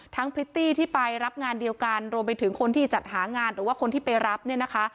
พริตตี้ที่ไปรับงานเดียวกันรวมไปถึงคนที่จัดหางานหรือว่าคนที่ไปรับเนี่ยนะคะ